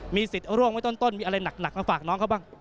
มีสิทธิ์ร่วงไว้ต้นมีอะไรหนักมาฝากน้องเขาบ้าง